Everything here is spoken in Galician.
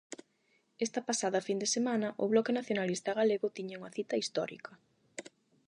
Esta pasada fin de semana o Bloque Nacionalista Galego tiña unha cita histórica.